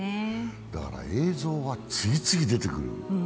だから映像は次々出てくる。